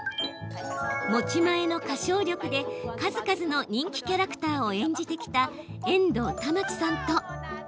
持ち前の歌唱力で、数々の人気キャラクターを演じてきた遠藤珠生さんと。